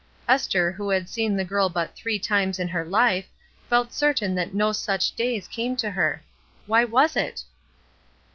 Esther, who had seen the girl but three times in her life, felt certain that no such days came to her. Why was it